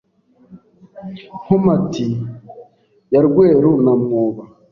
Nkomati ya Rweru na mwoba